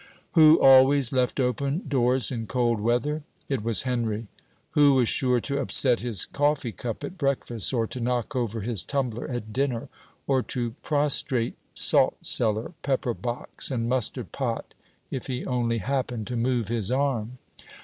Who always left open doors in cold weather? It was Henry. Who was sure to upset his coffee cup at breakfast, or to knock over his tumbler at dinner, or to prostrate saltcellar, pepper box, and mustard pot, if he only happened to move his arm?